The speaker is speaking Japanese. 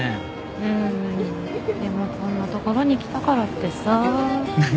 うんでもこんな所に来たからってさ。